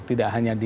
tidak hanya di